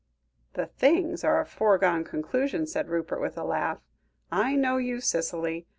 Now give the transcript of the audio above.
"Then 'things' are a foregone conclusion," said Rupert, with a laugh. "I know you, Cicely.